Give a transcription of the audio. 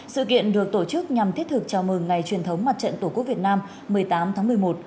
sự kiện được tổ chức nhằm thiết thực chào mừng ngày truyền thống mặt trận tổ quốc việt nam một mươi tám tháng một mươi một